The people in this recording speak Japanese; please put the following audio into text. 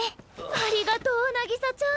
ありがとう渚ちゃん。